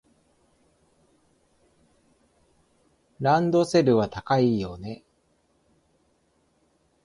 ランドセルは高いよね。